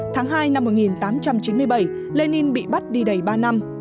tháng hai năm một nghìn tám trăm chín mươi bảy lenin bị bắt đi đầy ba năm